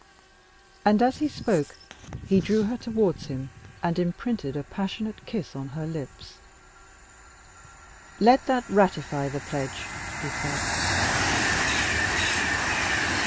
And as he spoke he drew her towards him, and imprinted a passionate kiss on her lips. "Let that ratify the pledge," he said.